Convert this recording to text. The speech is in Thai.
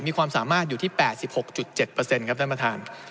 มีความสามารถอยู่ที่๘๖๗ครับท่านประธาน